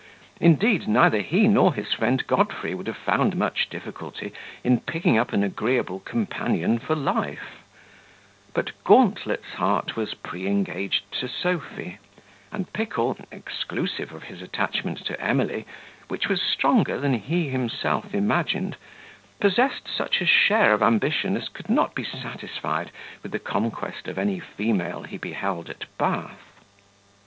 Indeed, neither he nor his friend Godfrey would have found much difficulty in picking up an agreeable companion for life; but Gauntlet's heart was pre engaged to Sophy; and Pickle, exclusive of his attachment to Emily, which was stronger than he himself imagined, possessed such a share of ambition as could not be satisfied with the conquest of any female he beheld at Bath.